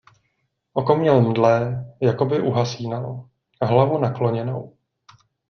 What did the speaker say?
Oko měl mdlé, jako by uhasínalo, hlavu nakloněnou.